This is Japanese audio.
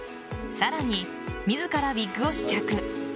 さらに自らウィッグを試着。